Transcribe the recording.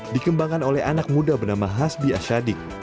dikembangkan oleh anak muda bernama hasbi asyadik